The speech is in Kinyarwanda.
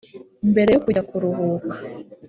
Mbere yo kujya kuruhuka